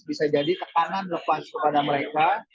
bisa jadi tekanan lepas kepada mereka